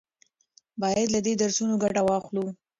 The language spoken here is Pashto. باید له دې درسونو ګټه واخلو.